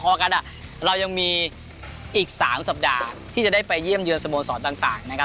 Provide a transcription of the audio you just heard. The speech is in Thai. เพราะฉะนั้นเรายังมีอีก๓สัปดาห์ที่จะได้ไปเยี่ยมเยือนสโมงศรต่าง